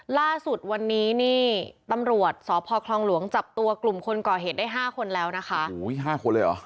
ล่าสุดวันนี้นี่ตำรวจสพคลองหลวงจับตัวกลุ่มคนก่อเหตุได้ห้าคนแล้วนะคะโอ้โหห้าคนเลยเหรอ